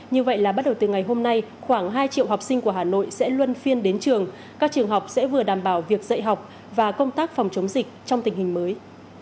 như vậy là bắt đầu từ ngày hôm nay khoảng hai triệu học sinh của hà nội sẽ luân phiên đến trường các trường học sẽ vừa đảm bảo việc dạy học và công tác phòng chống dịch trong tình hình mới